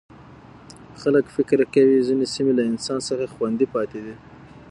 خلک فکر کوي ځینې سیمې له انسان څخه خوندي پاتې دي.